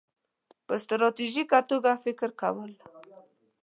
-په ستراتیژیکه توګه فکر کول